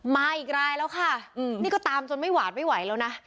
มาอีกรายแล้วค่ะนี่ก็ตามจนไม่หวานไม่ไหวแล้วนะ